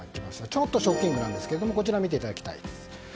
ちょっとショッキングなんですがこちら見ていただきたいです。